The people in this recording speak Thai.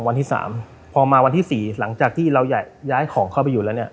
วันที่๓พอมาวันที่๔หลังจากที่เราย้ายของเข้าไปอยู่แล้วเนี่ย